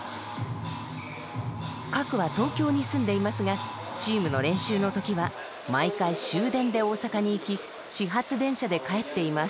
Ｋａｋｕは東京に住んでいますがチームの練習の時は毎回終電で大阪に行き始発電車で帰っています。